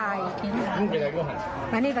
แล้วบอกมีไปเอาผิดละ